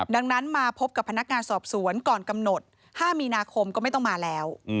ดังนั้นมาพบกับพนักงานสอบสวนก่อนกำหนด๕มีนาคมก็ไม่ต้องมาแล้ว